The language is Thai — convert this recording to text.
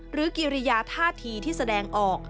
กิริยาท่าทีที่แสดงออก